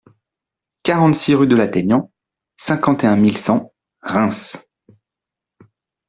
quarante-six rue de l'Atteignant, cinquante et un mille cent Reims